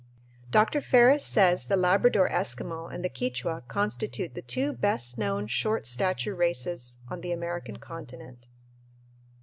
Dr. Ferris says the Labrador Eskimo and the Quichua constitute the two "best known short stature races on the American continent."